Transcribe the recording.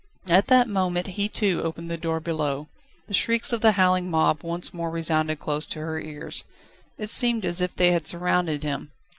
At that moment he too opened the door below. The shrieks of the howling mob once more resounded close to her ears. It seemed as if they had surrounded him.